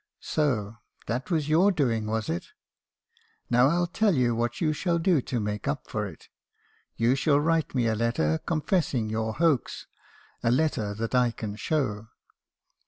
"'So that was your doing, was it? Now I '11 tell you what you shall do to make up for it. You shall write me a letter con fessing your hoax — a letter that I can show."